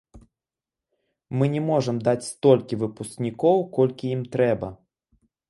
Мы не можам даць столькі выпускнікоў, колькі ім трэба.